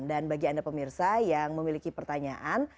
dan bagi anda pemirsa yang memiliki pertanyaan